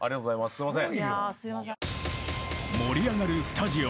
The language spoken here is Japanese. すいません。